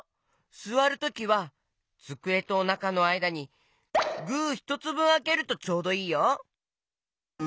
すわるときはつくえとおなかのあいだにグーひとつぶんあけるとちょうどいいよ。